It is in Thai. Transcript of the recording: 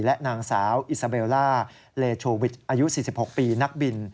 และนางสาวอิซาเบลล่าเลโชวิตอายุ๔๖ปีนักบิน